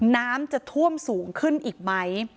น้ำจะท่วมสูงขึ้นอีกไหม